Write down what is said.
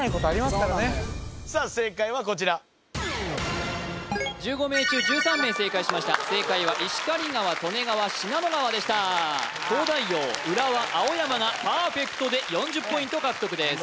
正解はこちら１５名中１３名正解しました正解は石狩川利根川信濃川でした東大王浦和青山がパーフェクトで４０ポイント獲得です